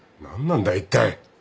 何なんだいったい。